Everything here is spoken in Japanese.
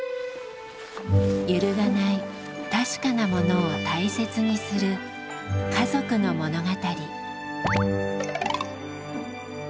揺るがない「確かなもの」を大切にする家族の物語。